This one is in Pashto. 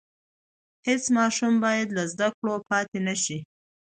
هېڅ ماشوم بايد له زده کړو پاتې نشي.